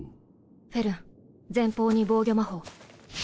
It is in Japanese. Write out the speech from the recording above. フェルン前方に防御魔法。